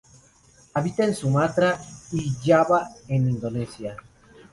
Habita en Sumatra y Java en Indonesia.